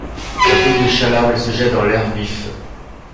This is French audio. Dans la commune de Chalabre il se jette dans l'Hers-Vif.